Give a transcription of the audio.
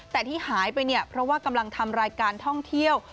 แต่ที่หายไปเนี่ยเพราะว่ากำลังทำรายการท่องเที่ยว